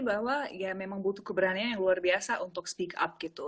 bahwa ya memang butuh keberanian yang luar biasa untuk speak up gitu